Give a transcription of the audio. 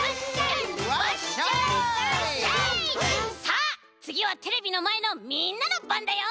さあつぎはテレビのまえのみんなのばんだよ！